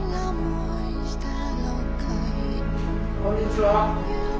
こんにちは。